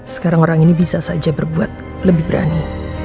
sekarang orang ini bisa saja berbuat lebih berani